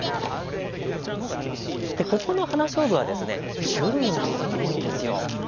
ここのハナショウブは種類も多いんです。